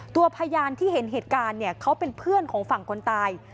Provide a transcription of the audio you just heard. ตัวพยานที่เห็นเหตุการณ์เนี่ยเขาเป็นเพื่อนของฝั่งคนตาย